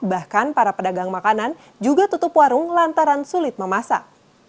bahkan para pedagang makanan juga tutup warung lantaran sulit memasak